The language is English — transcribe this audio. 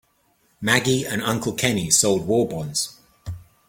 Maggie and Uncle Kenny sold war bonds.